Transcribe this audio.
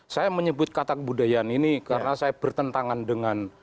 saya menyebut kata kebudayaan ini karena saya bertentangan dengan